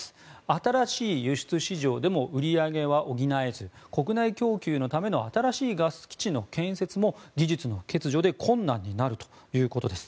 新しい輸出市場でも売り上げは補えず国内供給のための新しいガス基地の建設も技術の欠如で困難になるということです。